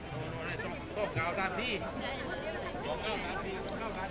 ประกันกับมาร์เมินที่๒นาทีกว่าไปหน้าท่าน้ำน้ำที่อยู่บนฤษภาษณ์ครับ